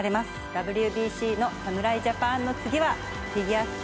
ＷＢＣの侍ジャパンの次はフィギュアスケート最強日本。